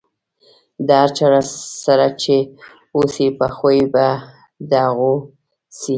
د هر چا سره چې اوسئ، په خوي به د هغو سئ.